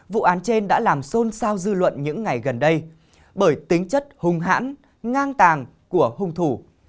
vụ án trên đã làm xôn xao dư luận những ngày gần đây bởi tính chất hung hãn ngang của hung thủ